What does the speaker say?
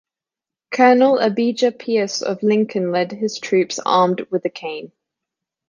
Colonel Abijah Pierce of Lincoln led his troops, armed with a cane.